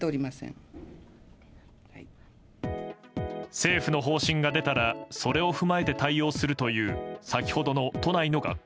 政府の方針が出たらそれを踏まえて対応するという先ほどの都内の学校。